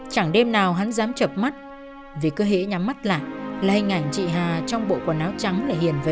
chẳng đêm nào hắn dám chợp mắt vì cơ hễ nhắm mắt lại là hình ảnh chị hà trong bộ quần áo trắng lại hiền về